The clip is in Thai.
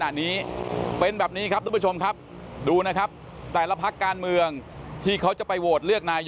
กรกตกลางได้รับรายงานผลนับคะแนนจากทั่วประเทศมาแล้วร้อยละ๔๕๕๔พักการเมืองที่มีแคนดิเดตนายกคนสำคัญ